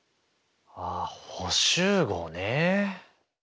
ああ補集合ね。